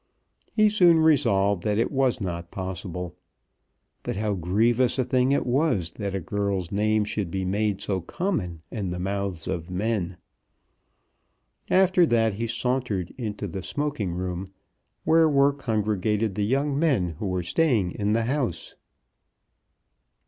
He soon resolved that it was not possible. But how grievous a thing it was that a girl's name should be made so common in the mouths of men! After that he sauntered into the smoking room, where were congregated the young men who were staying in the house.